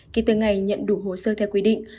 kể từ ngày nhận đủ hồ sơ theo quy định